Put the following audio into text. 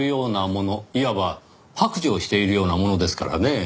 いわば白状しているようなものですからねぇ。